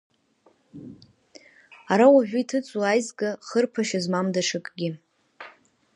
Ара уажәы иҭыҵуа аизга Хырԥашьа змам даҽакгьы…